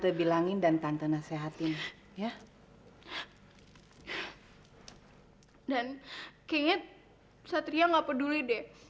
aku balikin semua kartu kartu ini